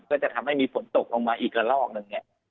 ก็จะทำให้มีฝนตกลงมาอีกละลอกหนึ่งเนี่ย